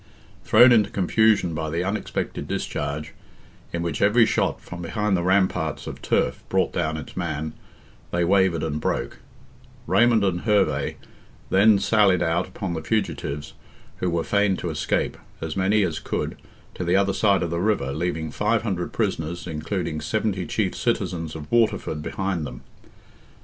Thrown into confusion by the unexpected discharge, in which every shot from behind the ramparts of turf brought down its man, they wavered and broke; Raymond and Herve then sallied out upon the fugitives, who were fain to escape, as many as could, to the other side of the river, leaving 500 prisoners, including 70 chief citizens of Waterford behind them.